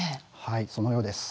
そのようです。